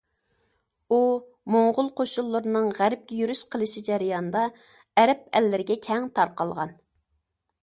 ئۇ موڭغۇل قوشۇنلىرىنىڭ غەربكە يۈرۈش قىلىشى جەريانىدا ئەرەب ئەللىرىگە كەڭ تارقالغان.